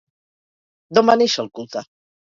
D'on va néixer el culte?